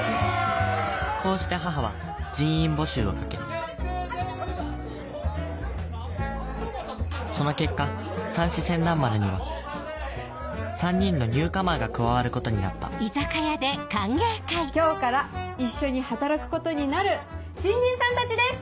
こうして母は人員募集をかけその結果さんし船団丸には３人のニューカマーが加わることになった今日から一緒に働くことになる新人さんたちです！